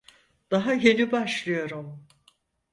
Daha yeni başlıyorum.